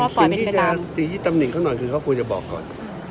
สิ่งที่จะศาสตรีที่สำนิกขึ้นน่ะคือเค้าคงจะบอกก่อน